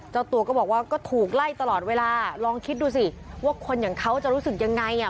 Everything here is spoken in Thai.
เจ้าตัวก็บอกว่าก็ถูกไล่ตลอดเวลาลองคิดดูสิว่าคนอย่างเขาจะรู้สึกยังไงอ่ะ